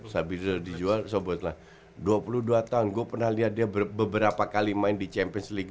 sambil dijual sebutlah dua puluh dua tahun gue pernah lihat dia beberapa kali main di champions league